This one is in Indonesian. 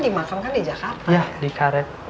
di makam kan di jakarta